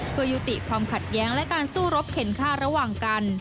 เพื่อยุติความขัดแย้งและการสู้รบเข็นค่าระหว่างกัน